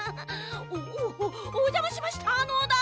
おおおじゃましましたのだ！